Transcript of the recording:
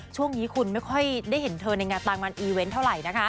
ช่วงนี้คุณไม่ค่อยได้เห็นเธอในงานต่างมันอีเวนต์เท่าไหร่นะคะ